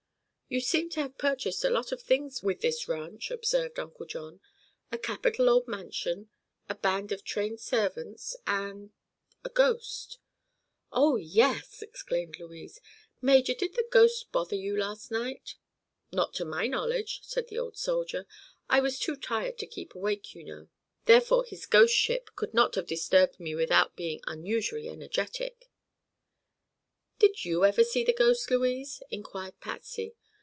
"You seem to have purchased a lot of things with this ranch," observed Uncle John. "A capital old mansion, a band of trained servants, and—a ghost." "Oh, yes!" exclaimed Louise. "Major, did the ghost bother you last night?" "Not to my knowledge," said the old soldier. "I was too tired to keep awake, you know; therefore his ghostship could not have disturbed me without being unusually energetic." "Have you ever seen the ghost, Louise?" inquired Patsy.